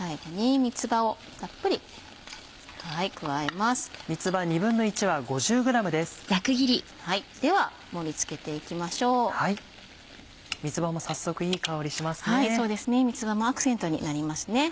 三つ葉もアクセントになりますね。